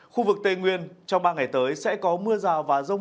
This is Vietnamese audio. khu vực tây nguyên trong ba ngày tới sẽ có mưa rào và rông